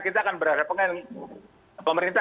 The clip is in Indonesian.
kita akan berpengen pemerintah